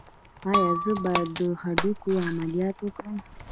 ایا زه باید د هډوکو عملیات وکړم؟